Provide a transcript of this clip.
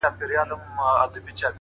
o سیاه پوسي ده. خاوري مي ژوند سه.